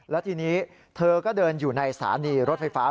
แล้วทีนี้เธอก็เดินอยู่ในสถานีรถไฟฟ้า